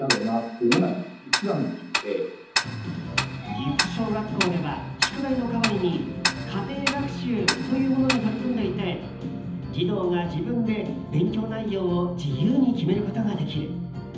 岐阜小学校では宿題の代わりに家庭学習というものに取り組んでいて児童が自分で勉強内容を自由に決めることができる。